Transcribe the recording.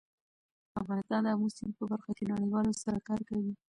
افغانستان د آمو سیند په برخه کې نړیوالو سره کار کوي.